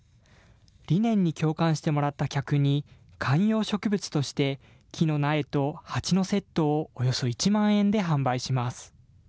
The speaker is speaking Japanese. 理念に共感してもらった客に、観葉植物として、木の苗と鉢のセットをおよそ１万円で販売します。